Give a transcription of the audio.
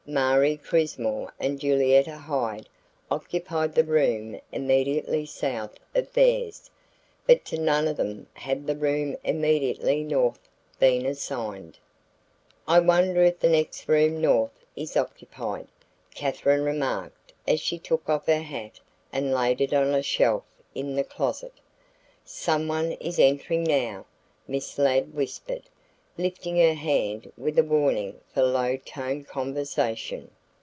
Marie Crismore and Julietta Hyde occupied the room immediately south of theirs, but to none of them had the room immediately north been assigned. "I wonder if the next room north is occupied," Katherine remarked as she took off her hat and laid it on a shelf in the closet. "Someone is entering now," Miss Ladd whispered, lifting her hand with a warning for low toned conversation.